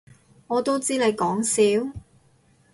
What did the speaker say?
我都知你講笑